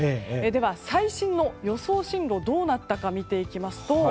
最新の予想進路がどうなったか見ていきますと